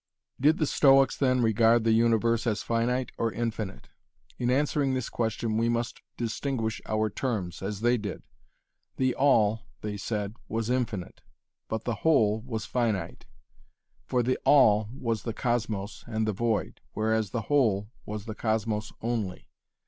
Did the Stoics then regard the universe as finite or as infinite? In answering this question we must distinguish our terms, as they did. The All, they said, was infinite, but the Whole was finite. For the 'All' was the cosmos and the void, whereas the 'Whole' was the cosmos only.